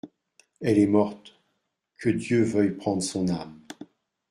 Elle est morte ; que Dieu veuille prendre son âme !